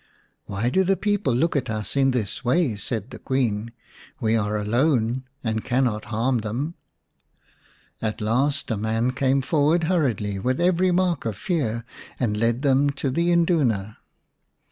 "Why do the people look at us in this way ?" said the Queen. " We are alone and cannot harm them." At last a man came forward hurriedly, with every mark of fear, and led them to the Induna.